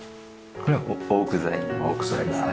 これはオーク材ですね。